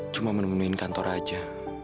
cuma menemunuhi kantor aja